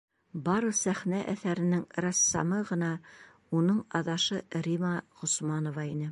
Бары сәхнә әҫәренең рәссамы ғына уның аҙашы Рима Ғосманова ине.